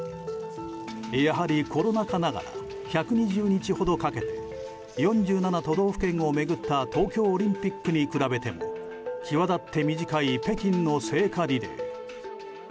やはりコロナ禍ながら１２０日ほどかけて４７都道府県を巡った東京オリンピックに比べても際立って短い北京の聖火リレー。